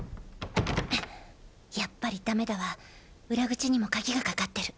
やっぱりダメだわ裏口にも鍵がかかってる。